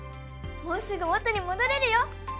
もうすぐ元に戻れるよ。